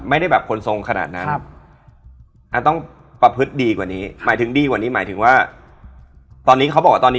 ไม่ได้ยินเขาสักที